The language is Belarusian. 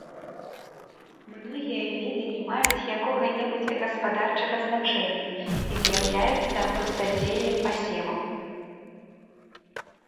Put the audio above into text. Многія віды не маюць якога-небудзь гаспадарчага значэння і з'яўляюцца пустазеллем пасеваў.